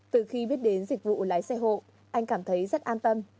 từ khi biết đến dịch vụ lái xe hộ anh cảm thấy rất an tâm